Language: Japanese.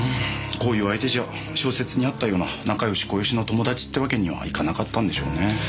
こういう相手じゃ小説にあったような仲良しこよしの友達って訳にはいかなかったんでしょうね。